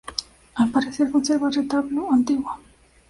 Al parecer, conserva el retablo antiguo.